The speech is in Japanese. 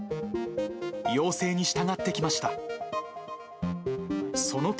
要請に従ってきました。